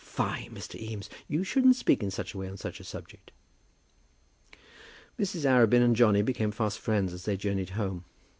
"Fie, Mr. Eames; you shouldn't speak in such a way on such a subject." Mrs. Arabin and Johnny became fast friends as they journeyed home.